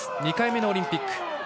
２回目のオリンピック。